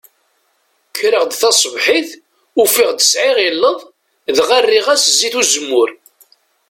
Kreɣ-d taṣebḥit ufiɣ-d sɛiɣ illeḍ, dɣa erriɣ-as zzit uzemmur.